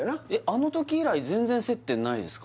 あの時以来全然接点ないですか？